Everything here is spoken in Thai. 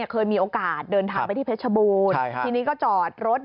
เคยมีโอกาสเดินทางไปที่เพชรบูรณ์ทีนี้ก็จอดรถ